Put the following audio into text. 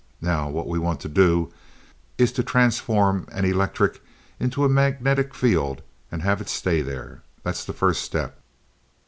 Now what we want to do is to transform an electric into a magnetic field and have it stay there. That's the first step.